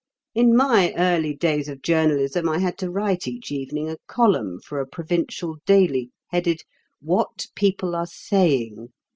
In my early days of journalism I had to write each evening a column for a provincial daily, headed 'What People are Saying.